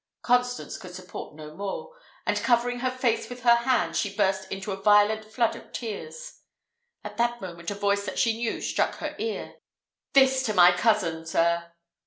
Constance could support no more, and covering her face with her hands, she burst into a violent flood of tears. At that moment a voice that she knew struck her ear. "This to my cousin, sir!"